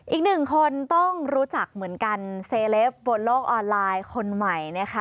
อีกหนึ่งคนต้องรู้จักเหมือนกันเซเลปบนโลกออนไลน์คนใหม่นะคะ